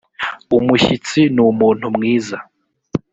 umushyitsi numuntu mwiza.